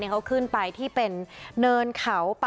ขอบคุณครับขอบคุณครับ